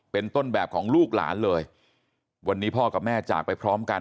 เป็นต้นแบบของลูกหลานเลยวันนี้พ่อกับแม่จากไปพร้อมกัน